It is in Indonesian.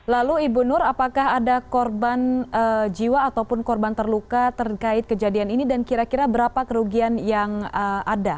lalu ibu nur apakah ada korban jiwa ataupun korban terluka terkait kejadian ini dan kira kira berapa kerugian yang ada